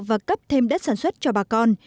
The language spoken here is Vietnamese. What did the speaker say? và cấp thêm đất sản xuất cho bà con